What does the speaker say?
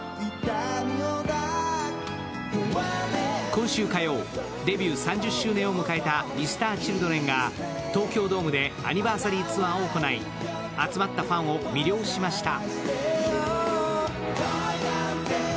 今週火曜、デビュー３０周年を迎えたＭｒ．Ｃｈｉｌｄｒｅｎが東京ドームでアニバーサリーツアーを行い集まったファンを魅了しました。